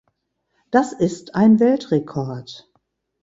Das ist ein Weltrekord.